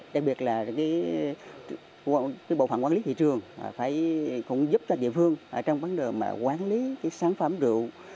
đặc biệt là cái bộ phận quản lý thị trường phải cũng giúp cho địa phương trong vấn đề mà quản lý cái sản phẩm rượu